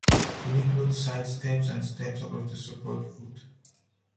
It includes side steps and steps across the support foot.